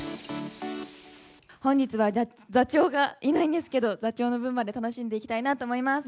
本日は座長がいないんですけど、座長の分まで楽しんでいきたいなと思います。